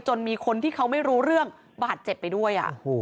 มีคนที่เขาไม่รู้เรื่องบาดเจ็บไปด้วย